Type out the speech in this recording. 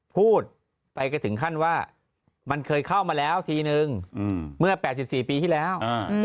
พูดไปก็ถึงขั้นว่ามันเคยเข้ามาแล้วทีนึงเมื่อ๘๔ปีที่แล้ว